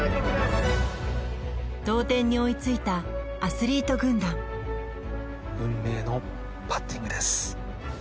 同点に追いついたアスリート軍団運命のパッティングです